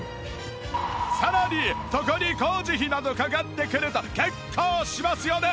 さらにそこに工事費などかかってくると結構しますよね